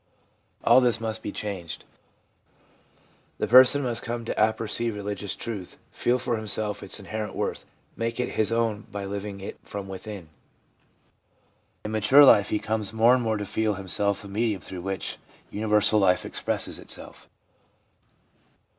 All this must be changed. The person must come to apperceive religious truth, feel for himself its inherent worth, make it his own by living it from within. In mature life he comes more and more to feel himself a medium through which universal life expresses itself.